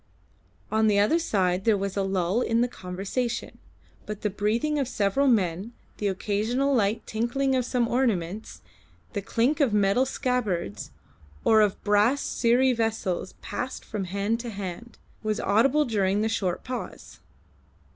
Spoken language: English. On the other side there was a lull in the conversation, but the breathing of several men, the occasional light tinkling of some ornaments, the clink of metal scabbards, or of brass siri vessels passed from hand to hand, was audible during the short pause.